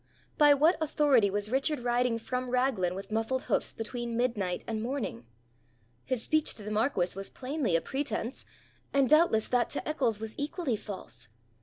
By what authority was Richard riding from Raglan with muffled hoofs between midnight and morning? His speech to the marquis was plainly a pretence, and doubtless that to Eccles was equally false.